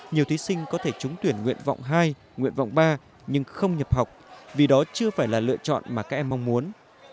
nhiều thí sinh có thể trúng tuyển nguyện vọng hai nguyện vọng ba nhưng không nhập học vì đó chưa phải là lựa chọn mà các em mong muốn